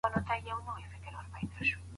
د حیواناتو په واسطه د کروندو کار ولي ګټور و؟